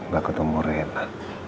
gak ketemu rena